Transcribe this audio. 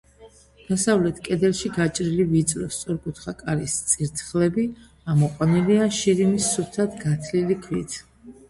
დასავლეთ კედელში გაჭრილი ვიწრო, სწორკუთხა კარის წირთხლები ამოყვანილია შირიმის სუფთად გათლილი ქვით.